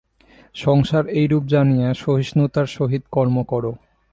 সংসার এইরূপ জানিয়া সহিষ্ণুতার সহিত কর্ম কর।